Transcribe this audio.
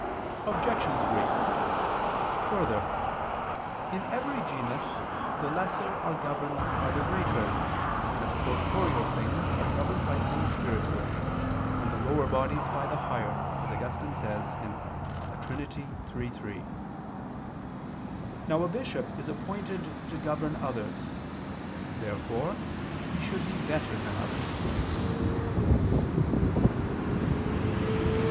Obj. 3: Further, in every genus the lesser are governed by the greater, as corporeal things are governed by things spiritual, and the lower bodies by the higher, as Augustine says (De Trin. iii, 3). Now a bishop is appointed to govern others. Therefore he should be better than others.